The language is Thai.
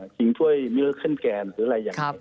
ชิงช่วยมิเนอร์เค้นแกนหรืออะไรอย่างนี้